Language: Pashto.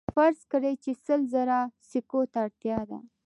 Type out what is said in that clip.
فرض کړئ چې سل زره سکو ته اړتیا ده